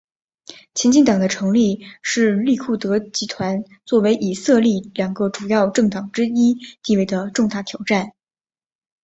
前进党的成立是利库德集团作为以色列两个主要政党之一地位的重大挑战。